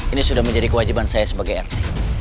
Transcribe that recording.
ini sudah menjadi kewajiban saya sebagai rt